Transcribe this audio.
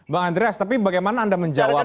bang andreas tapi bagaimana anda menjawab